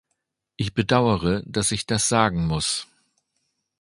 Ich bedauere, dass ich das sagen muss.